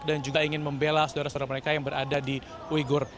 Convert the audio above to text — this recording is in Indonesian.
dan juga ingin membela saudara saudara mereka yang berada di uyghur